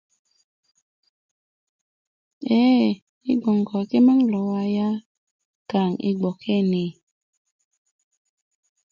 eee yi' gboŋ ko kimaŋ lo waya kaŋ yi gbokeni